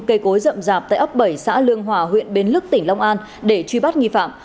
cây cối rậm rạp tại ấp bảy xã lương hòa huyện bến lức tỉnh long an để truy bắt nghi phạm